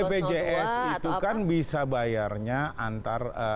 kalau bpjs itu kan bisa bayarnya antara